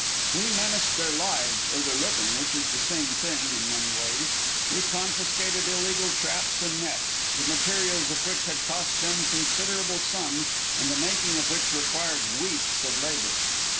We menaced their lives, or their living, which is the same thing, in many ways. We confiscated illegal traps and nets, the materials of which had cost them considerable sums and the making of which required weeks of labor.